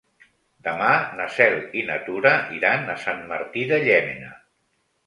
Demà na Cel i na Tura iran a Sant Martí de Llémena.